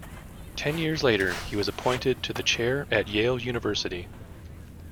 Ten years later he was appointed to the chair at Yale University.